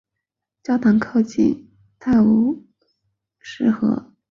教堂靠近泰晤士河及普特尼桥。